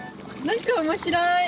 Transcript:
何か面白い。